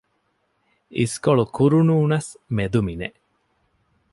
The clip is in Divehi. އިސްކޮޅު ކުރުނޫނަސް މެދުމިނެއް